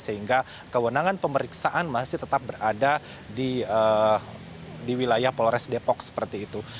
sehingga kewenangan pemeriksaan masih tetap berada di wilayah polores depok seperti itu